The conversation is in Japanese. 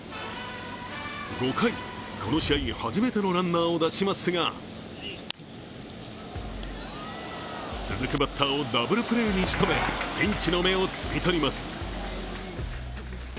５回、この試合、初めてのランナーを出しますが続くバッターをダブルプレーにしとめ、ピンチの芽を摘み取ります。